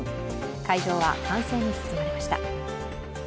会場は歓声に包まれました。